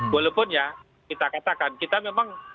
walaupun ya kita katakan kita memang